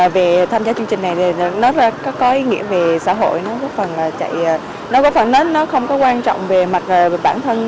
về tham gia chương trình này nó có ý nghĩa về xã hội nó không có quan trọng về bản thân